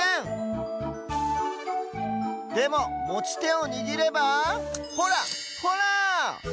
でももちてをにぎればほらほら！